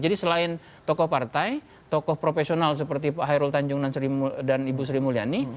jadi selain tokoh partai tokoh profesional seperti pak hairul tanjung dan ibu sri mulyani